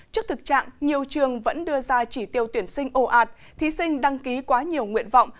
trước thực trạng nhiều trường vẫn đưa ra chỉ tiêu tuyển sinh ồ ạt thí sinh đăng ký quá nhiều nguyện vọng